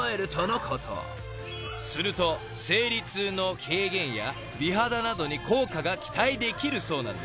［すると生理痛の軽減や美肌などに効果が期待できるそうなんです］